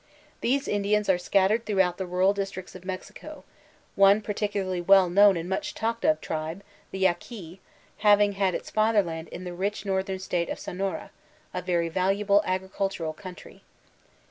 These Indians are scattered throughout the rural districts of Mexico, one particularly well known and The Mexican Revolution 357 much talked of tribe, the Yaquis, having had its father land in the rich northern state of Sonora, a very valuable agricultural country.